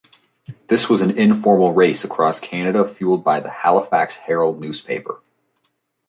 This was an informal race across Canada fueled by the "Halifax Herald" newspaper.